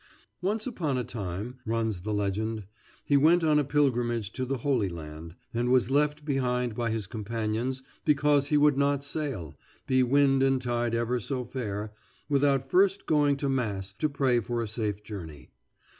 Once upon a time, runs the legend, he went on a pilgrimage to the Holy Land, and was left behind by his companions because he would not sail, be wind and tide ever so fair, without first going to mass to pray for a safe journey.